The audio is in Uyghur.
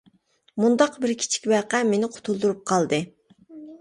مۇنداق بىر كىچىك ۋەقە مېنى قۇتۇلدۇرۇپ قالدى.